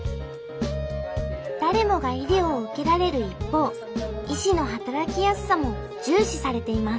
誰もが医療を受けられる一方医師の働きやすさも重視されています。